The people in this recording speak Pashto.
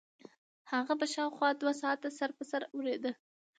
هغه به شاوخوا دوه ساعته سر په سر اورېده.